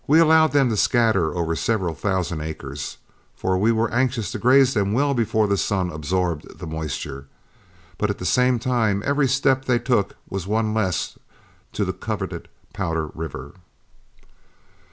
We allowed them to scatter over several thousand acres, for we were anxious to graze them well before the sun absorbed the moisture, but at the same time every step they took was one less to the coveted Powder River.